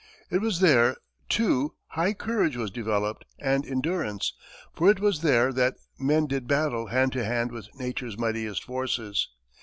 It was there, too, high courage was developed and endurance, for it was there that men did battle hand to hand with nature's mightiest forces.